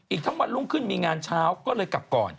ทั้งวันรุ่งขึ้นมีงานเช้าก็เลยกลับก่อน